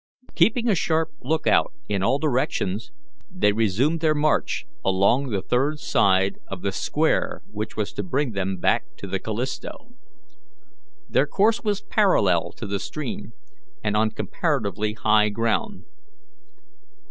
Keeping a sharp lookout in all directions, they resumed their march along the third side of the square which was to bring them back to the Callisto. Their course was parallel to the stream, and on comparatively high ground.